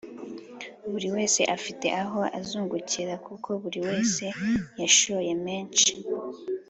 Buri wese afite aho anzungukira kuko buriwese yashoye menshi